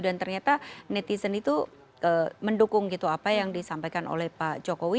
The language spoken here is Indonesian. dan ternyata netizen itu mendukung gitu apa yang disampaikan oleh pak jokowi